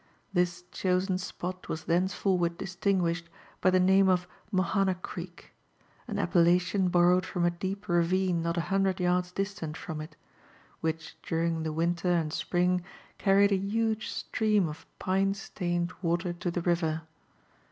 This chpsen spo.t wa3 thenceforyirard distinguished by the naqne of Mohana Creek; [an appellation borrowed froip a deep ravine not a hundred yards distant from it, which during the winter and spring carried a huge stream of pine stained wat^r lo the river.